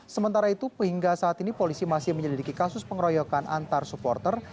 sementara itu hingga saat ini polisi masih menyelidiki kasus pengeroyokan antar supporter